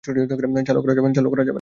চালু করা যাবে না।